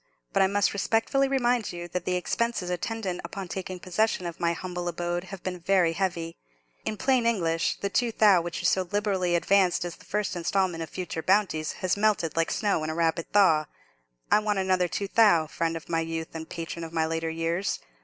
But I must respectfully remind you that the expenses attendant upon taking possession of my humble abode have been very heavy. In plain English, the two thou' which you so liberally advanced as the first instalment of future bounties, has melted like snow in a rapid thaw. I want another two thou', friend of my youth and patron of my later years.